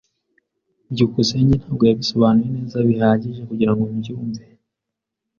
byukusenge ntabwo yabisobanuye neza bihagije kugirango mbyumve.